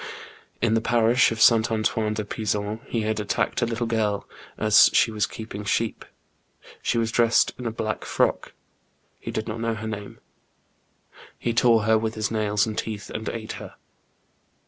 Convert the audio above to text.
In the parish of S. Antoine de Pizon he had attacked a little girl, as she was keeping sheep. She was dressed in a black frock ; he did not know her name. He tore her with his nails and teeth, and ate her.